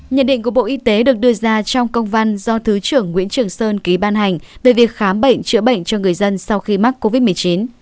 nhận định của bộ y tế được đưa ra trong công văn do thứ trưởng nguyễn trường sơn ký ban hành về việc khám bệnh chữa bệnh cho người dân sau khi mắc covid một mươi chín